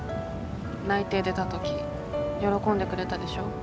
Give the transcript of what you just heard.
内定出た時喜んでくれたでしょ。